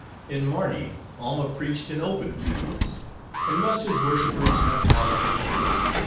In Mardi, Alma preached in open fields, —and must his worshipers have palaces?"